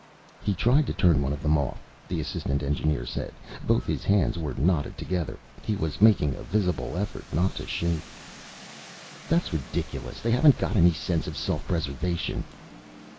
"He tried to turn one of them off," the assistant engineer said. Both his hands were knotted together. He was making a visible effort not to shake. "That's ridiculous. They haven't got any sense of self preservation."